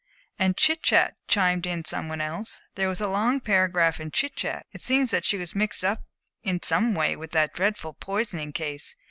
"And Chit Chat," chimed in some one else. "There was a long paragraph in Chit Chat. It seems that she was mixed up in some way in that dreadful poisoning case.